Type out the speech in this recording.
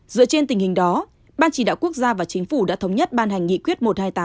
dựa trên tình hình đó ban chỉ đạo quốc gia và chính phủ đã thống nhất ban hành nghị quyết một trăm hai mươi tám